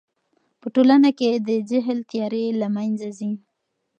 په ټولنه کې د جهل تیارې له منځه ځي.